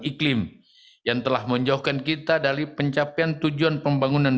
iklim yang telah menjauhkan kita dari pencapaian tujuan pembangunan